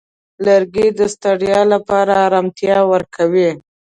لرګی د ستړیا لپاره آرامتیا ورکوي.